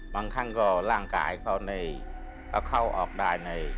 บางครั้งก็ร่างกายเขานี่เขาเข้าออกได้นี่